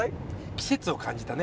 季節を感じたね。